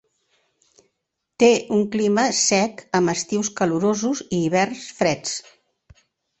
Té un clima sec amb estius calorosos i hiverns freds.